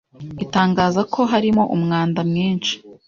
itangaza ko harimo umwanda mwinshi